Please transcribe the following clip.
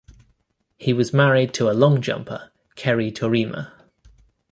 He was married to long jumper Kerrie Taurima.